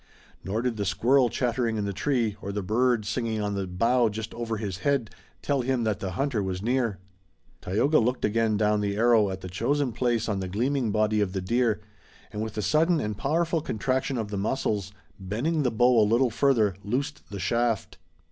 Nor did the squirrel chattering in the tree or the bird singing on the bough just over his head tell him that the hunter was near. Tayoga looked again down the arrow at the chosen place on the gleaming body of the deer, and with a sudden and powerful contraction of the muscles, bending the bow a little further, loosed the shaft.